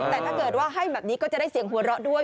แต่ถ้าเกิดว่าให้แบบนี้ก็จะได้เสียงหัวเราะด้วย